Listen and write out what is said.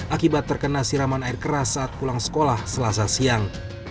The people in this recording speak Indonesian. akibat terkena siraman air keras saat pulang sekolah selasa siang